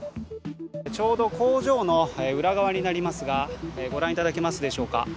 ちょうど工場の裏側になりますがご覧いただけますでしょうか